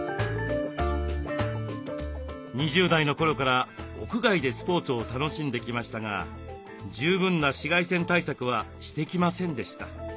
２０代の頃から屋外でスポーツを楽しんできましたが十分な紫外線対策はしてきませんでした。